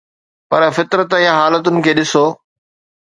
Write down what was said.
پر فطرت يا حالتن کي ڏسو.